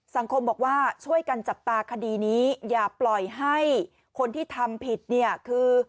สังคมบอกว่าช่วยกันจับตาคดีนี้อย่าปล่อยให้คนที่ทำผิดเนี่ยคือ